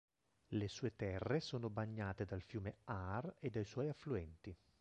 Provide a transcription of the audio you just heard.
Le sue terre sono bagnate dal fiume Aar e dai suoi affluenti.